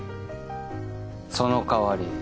そのかわり。